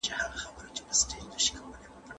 ایا تکړه پلورونکي خندان پسته پلوري؟